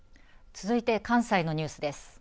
続いて関西のニュースです。